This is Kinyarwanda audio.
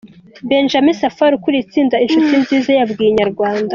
Benjamin Safari ukuriye itsinda Inshuti nziza, yabwiye Inyarwanda.